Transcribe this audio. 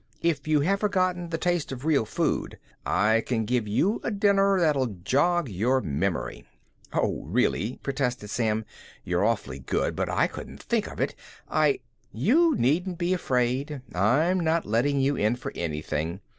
If you have forgotten the taste of real food, I can give you a dinner that'll jog your memory." "Oh, really," protested Sam. "You're awfully good, but I couldn't think of it. I " "You needn't be afraid. I'm not letting you in for anything.